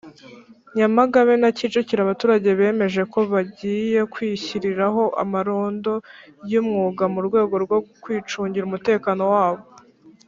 Nyamagabe na Kicukiro abaturage bemeje ko bagiye kwishyiriraho amarondo y’umwuga mu rwego rwo kwicungira umutekano wabo.